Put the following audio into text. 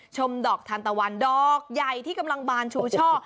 ชมดอกทานตะวันดอกใหญ่ที่กำลังบานชูช่อ